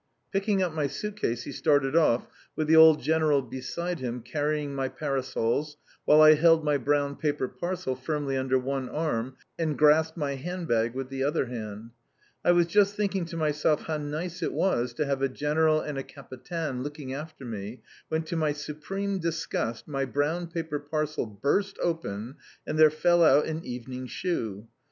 Picking up my suit case he started off, with the old General beside him carrying my parasols, while I held my brown paper parcel firmly under one arm, and grasped my hand bag with the other hand. I was just thinking to myself how nice it was to have a General and a Capitaine looking after me, when, to my supreme disgust, my brown paper parcel burst open, and there fell out an evening shoe.